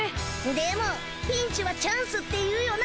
でもピンチはチャンスっていうよな？